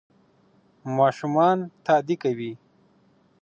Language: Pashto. ماشومان تادي کوي.